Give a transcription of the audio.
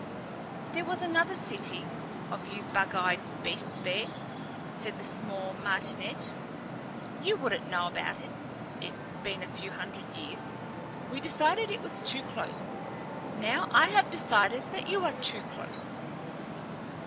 "There was another city of you bug eyed beasts there," said the small martinet. "You wouldn't know about it. It's been a few hundred years. We decided it was too close. Now I have decided that you are too close."